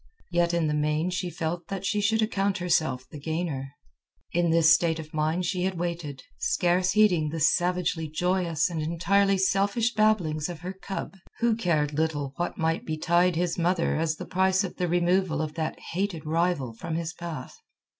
Yet in the main she felt that she should account herself the gainer. In this state of mind she had waited, scarce heeding the savagely joyous and entirely selfish babblings of her cub, who cared little what might betide his mother as the price of the removal of that hated rival from his path.